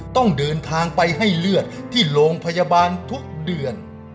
ต้องเดินทางไปให้เลือดที่โรงพยาบาลทุกเดือน